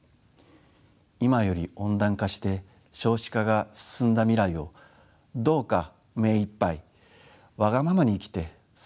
「今より温暖化して少子化が進んだ未来をどうか目いっぱいわがままに生きてすばらしい世界にしてください」。